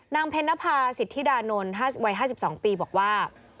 เพนภาษิตธิดานนท์วัย๕๒ปีบอกว่า